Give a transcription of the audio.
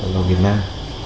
vào việt nam